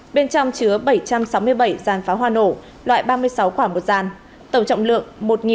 bên trong chứa bảy trăm sáu mươi bảy dàn pháo hoa nổ loại ba mươi sáu quả một dàn tổng trọng lượng một một trăm linh một